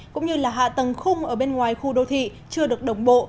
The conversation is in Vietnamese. cũng như là hạ tầng khung ở bên ngoài khu đô thị chưa được đồng bộ